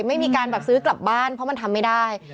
ไม่มีการแบบซื้อกลับบ้านเพราะมันทำไม่ได้